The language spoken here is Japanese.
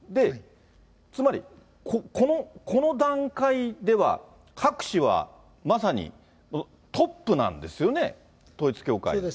つまり、この段階ではクァク氏は、まさにトップなんですよね、統一教会の。